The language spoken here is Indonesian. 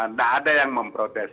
nggak ada yang memprotes